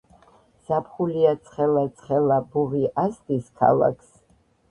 ზაფხულია ცხელა ცხელა ბუღი ასდის ქალაქს